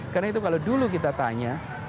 karena itu kalau dulu kita tanya